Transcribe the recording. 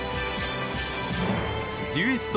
デュエット